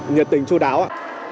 nhiệt tình chú đáo ạ